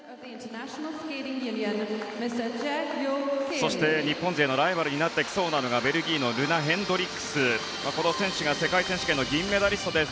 そして日本勢のライバルになってきそうなのがベルギーのルナ・ヘンドリックスこの選手が世界選手権の銀メダリストです。